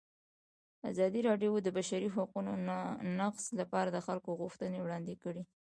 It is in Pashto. ازادي راډیو د د بشري حقونو نقض لپاره د خلکو غوښتنې وړاندې کړي.